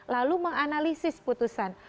lalu menganalisis putusan